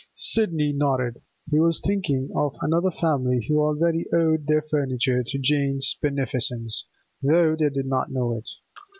Sidney nodded. He was thinking of another family who already owed their furniture to Jane's beneficence, though they did not know it.